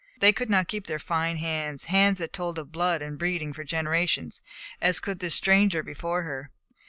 They could not keep their fine hands, hands that told of blood and breeding for generations, as could this stranger before her.